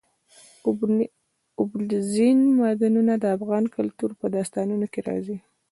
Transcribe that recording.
اوبزین معدنونه د افغان کلتور په داستانونو کې راځي.